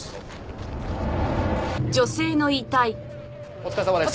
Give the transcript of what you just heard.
お疲れさまです！